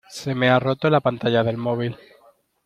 Se me ha roto la pantalla del móvil.